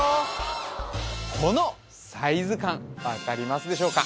このサイズ感分かりますでしょうか？